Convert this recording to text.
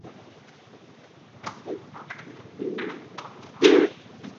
Para la presentación de este disco, se sumó Ludovica Morell en la batería electrónica.